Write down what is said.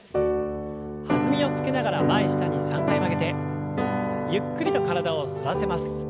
弾みをつけながら前下に３回曲げてゆっくりと体を反らせます。